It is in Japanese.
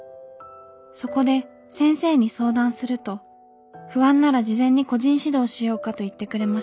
そこで先生に相談すると不安なら事前に個人指導しようかといってくれました。